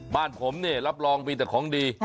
บ้านผมเนี่ยรับรองมีแต่ของดี